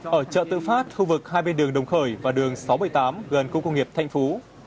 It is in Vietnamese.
ở chợ tự phát khu vực hai bên đường đồng khởi và đường sáu trăm bảy mươi tám gần khu công nghiệp thanh phú